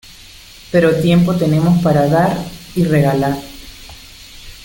pero tiempo tenemos para dar y regalar.